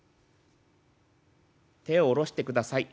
「手下ろしてください。